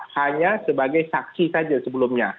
hanya sebagai saksi saja sebelumnya